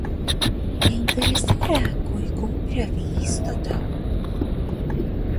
Ја интересира кој го прави истото